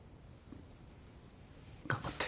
頑張って。